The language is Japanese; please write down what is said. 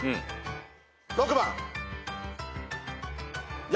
６番。